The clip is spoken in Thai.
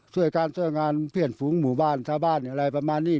ช่วยการช่วยงานเพื่อนฝูงหมู่บ้านชาวบ้านอะไรประมาณนี้